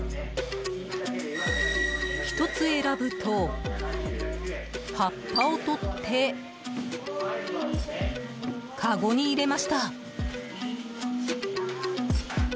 １つ選ぶと、葉っぱを取ってかごに入れました。